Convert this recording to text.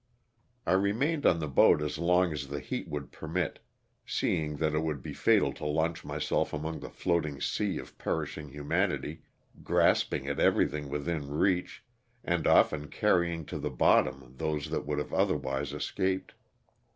I remained on the boat as long as the heat would permit, seeing that it would be fatal to launch myself among the floating sea of perishing humanity, grasping at everything within reach and often carrying to the bottom those that would have otherwise escaped.